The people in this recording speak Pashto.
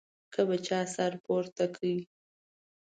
که به چا سر پورته کړ.